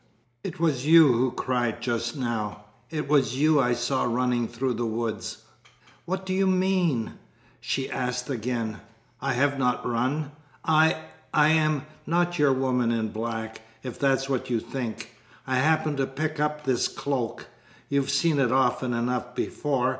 "It was you who cried just now? It was you I saw running through the woods?" "What do you mean?" she asked again. "I have not run. I I am not your woman in black, if that's what you think. I happened to pick up this cloak. You've seen it often enough before.